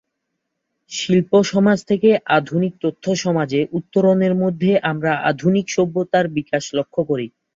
শিল্প সমাজ থেকে আধুনিক তথ্য সমাজে উত্তরণের মধ্যে আমরা আধুনিক সভ্যতার বিকাশ লক্ষ্য করি।